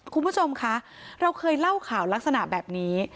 คุณผู้ชมคะเราเคยเล่าข่าวลักษณะแบบนี้